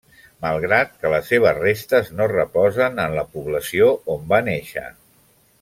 Malgrat que les seves restes no reposen en la població on va néixer.